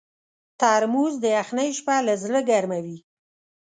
ترموز د یخنۍ شپه له زړه ګرمووي.